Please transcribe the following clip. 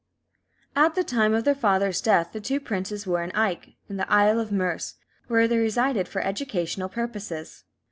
At the time of their father's death the two princes were at Aich, in the Isle of Merse, where they resided for educational purposes.